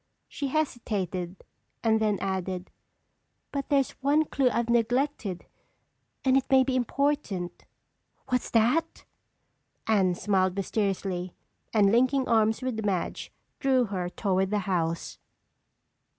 She hesitated and then added: "But there's one clue I've neglected and it may be important." "What's that?" Anne smiled mysteriously, and linking arms with Madge, drew her toward the house.